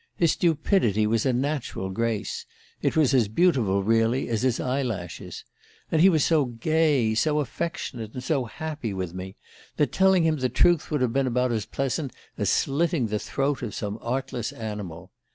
His stupidity was a natural grace it was as beautiful, really, as his eye lashes. And he was so gay, so affectionate, and so happy with me, that telling him the truth would have been about as pleasant as slitting the throat of some artless animal.